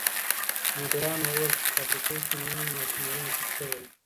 مديرانو وويل چي په فابريکو کي نوي ماشينري نصب سوي ده.